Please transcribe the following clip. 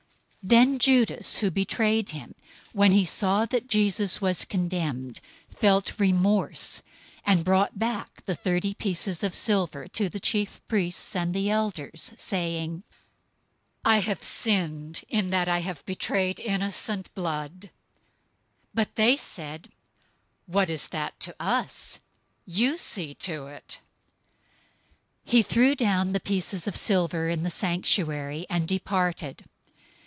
027:003 Then Judas, who betrayed him, when he saw that Jesus was condemned, felt remorse, and brought back the thirty pieces of silver to the chief priests and elders, 027:004 saying, "I have sinned in that I betrayed innocent blood." But they said, "What is that to us? You see to it." 027:005 He threw down the pieces of silver in the sanctuary, and departed.